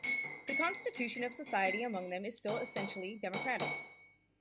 The constitution of society among them is still essentially democratic.